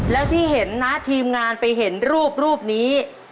แล้วที่เห็นนะทีมงานไปเห็นรูปนี้